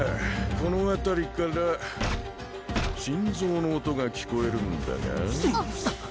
この辺りから心臓の音が聞こえるんだがおりゃあ！